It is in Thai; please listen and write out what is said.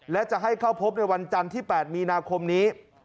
และจะให้เข้าพบในวันจันทร์ที่๘มีนาคมนี้